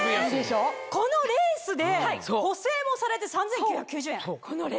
このレースで補整もされて３９９０円？えっ！